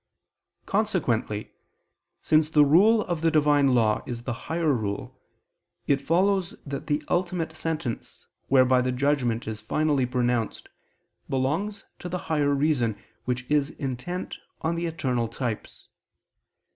Consequently, since the rule of the Divine law is the higher rule, it follows that the ultimate sentence, whereby the judgment is finally pronounced, belongs to the higher reason which is intent on the eternal types.